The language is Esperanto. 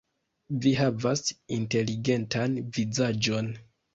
Vi havas inteligentan vizaĝon.